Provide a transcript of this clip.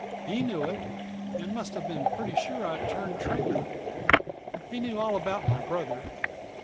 He knew it, and must have been pretty sure I'd turned traitor. He knew all about my brother.